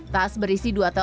tas berisi dua teluk